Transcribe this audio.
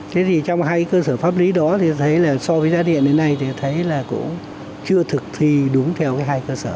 thế thì trong hai cơ sở pháp lý đó thì thấy là so với giá điện đến nay thì thấy là cũng chưa thực thi đúng theo hai cơ sở